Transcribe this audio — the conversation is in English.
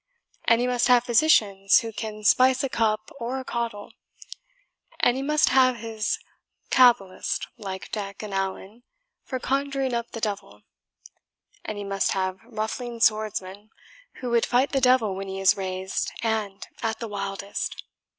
And he must have physicians who can spice a cup or a caudle. And he must have his cabalists, like Dec and Allan, for conjuring up the devil. And he must have ruffling swordsmen, who would fight the devil when he is raised and at the wildest.